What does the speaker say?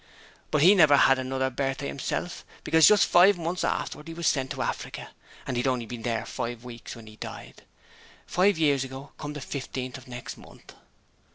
'But he never had another birthday himself, because just five months afterwards he were sent out to Africa, and he'd only been there five weeks when he died. Five years ago, come the fifteenth of next month.'